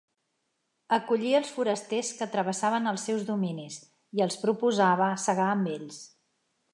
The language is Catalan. Acollia els forasters que travessaven els seus dominis i els proposava segar amb ells.